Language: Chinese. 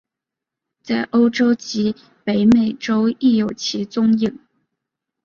在欧洲及北美洲亦有其踪影。